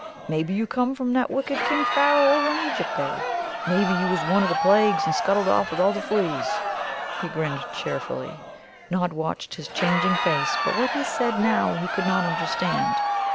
Maybe you come from that wicked King Pharaoh over in Egypt there. Maybe you was one of the plagues, and scuttled off with all the fleas." He grinned cheerfully. Nod watched his changing face, but what he said now he could not understand.